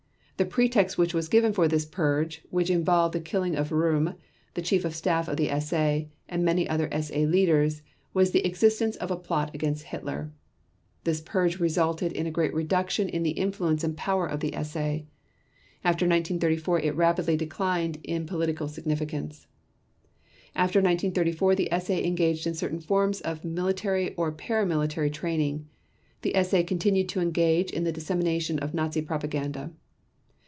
The pretext which was given for this purge, which involved the killing of Röhm, the Chief of Staff of the SA, and many other SA leaders, was the existence of a plot against Hitler. This purge resulted in a great reduction in the influence and power of the SA. After 1934, it rapidly declined in political significance. After 1934 the SA engaged in certain forms of military or para military training. The SA continued to engage in the dissemination of Nazi propaganda.